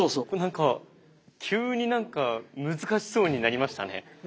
急になんか難しそうになりましたね。